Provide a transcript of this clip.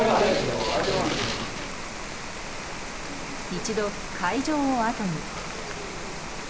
一度、会場を後に。